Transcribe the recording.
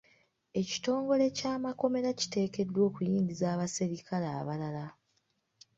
Ekitongole ky'amakomera kiteekeddwa okuyingiza abaserikale abalala.